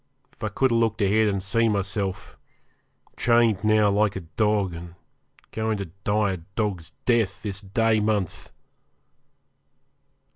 If I could have looked ahead, and seen myself chained now like a dog, and going to die a dog's death this day month!